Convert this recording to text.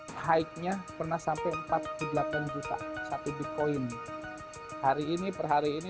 hai haiknya pernah sampai empat puluh delapan juta satu bitcoin hari ini perhari ini